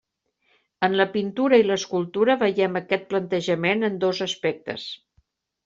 En la pintura i l’escultura veiem aquest plantejament en dos aspectes.